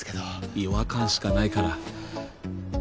違和感しかないから。